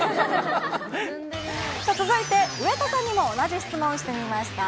続いて、上戸さんにも同じ質問をしてみました。